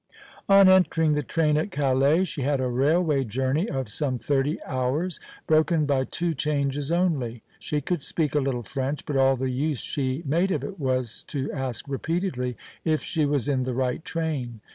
On entering the train at Calais she had a railway journey of some thirty hours, broken by two changes only. She could speak a little French, but all the use she made of it was to ask repeatedly if she was in the right train.